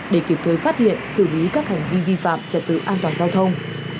để kịp thời phát hiện xử lý các hành vi vi phạm trật tự an toàn giao thông